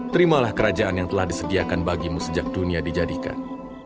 terimalah kerajaan yang telah disediakan bagimu sejak dunia dijadikan